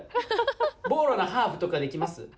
ボーロのハーフとかできます？